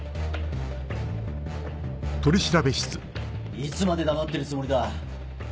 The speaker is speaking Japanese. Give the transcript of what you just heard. いつまで黙ってるつもりだ。